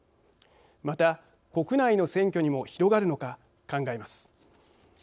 また、国内の選挙にも広がるのか考えます。